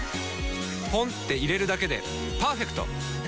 ポンって入れるだけでパーフェクト！